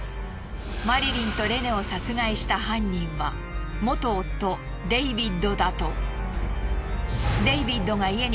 マリリンとレネを殺害した犯人は元夫デイビッドだと。